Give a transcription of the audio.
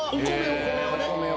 お米を。